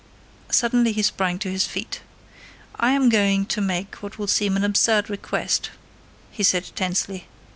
Suddenly he sprang to his feet. "I am going to make what will seem an absurd request," he said tensely.